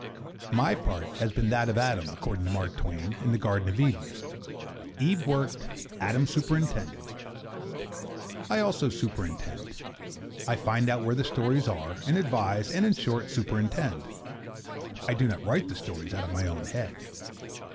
My part has been that of Adam, according to Mark Twain, in the Garden of Eden. Eve worked, Adam superintended. I also superintend. I find out where the stories are, and advise, and, in short, superintend. I do not write the stories out of my own head.